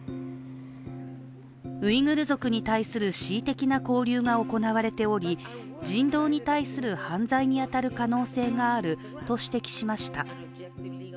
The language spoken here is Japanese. ウイグル族に対する恣意的な拘留が行われており人道に対する犯罪に当たる可能性があると指摘しました。